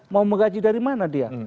mau menggaji dari mana dia